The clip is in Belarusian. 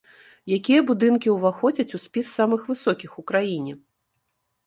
Якія будынкі ўваходзяць у спіс самых высокіх у краіне?